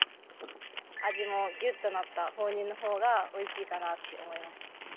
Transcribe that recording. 味もギュッとなった放任の方がおいしいかなって思いました。